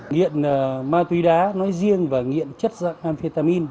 nghiện ma túy đá nói riêng và nghiện chất dạng anhetamin